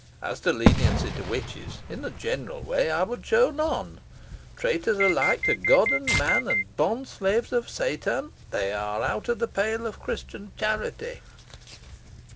As to leniency to witches, in a general way, I would show none. Traitors alike to God and man, and bond slaves of Satan, they are out of the pale of Christian charity."